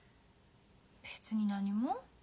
別に何も。